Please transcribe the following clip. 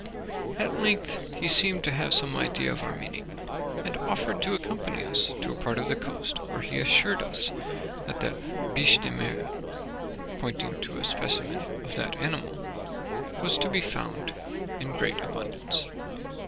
At length he seemed to have some idea of our meaning, and offered to accompany us to a part of coast where he assured us the biche de mer (pointing to a specimen of that animal) was to be found in great abundance.